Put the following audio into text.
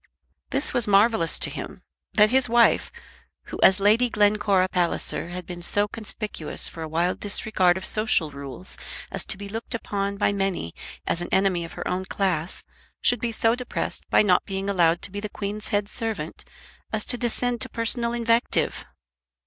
This was marvellous to him, that his wife, who as Lady Glencora Palliser had been so conspicuous for a wild disregard of social rules as to be looked upon by many as an enemy of her own class, should be so depressed by not being allowed to be the Queen's head servant as to descend to personal invective!